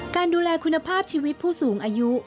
การดูแลคุณภาพชีวิตผู้สูงอายุ